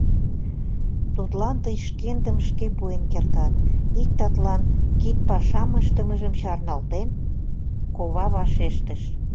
— Тудлан тый шкендым шке пуэн кертат, — ик татлан кидпашам ыштымыжым чарналтен, кова вашештыш